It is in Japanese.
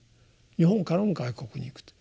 日本からも外国に行くと。